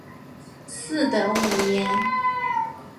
嗣德五年。